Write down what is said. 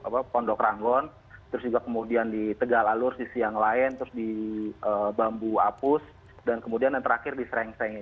pondok ranggon terus juga kemudian di tegal alur di siang lain terus di bambu apus dan kemudian yang terakhir di serengseng